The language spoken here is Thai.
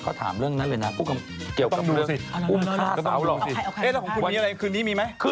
คำนวณราวมีใคร